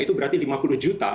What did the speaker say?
itu berarti lima puluh juta